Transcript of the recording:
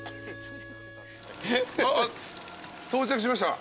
あっ到着しました。